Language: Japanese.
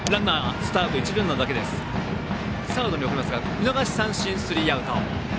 見逃し三振、スリーアウト。